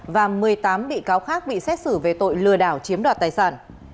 và một mươi tám bị cáo khác bị xét xử về tội lừa đảo chiếm đoạt tài sản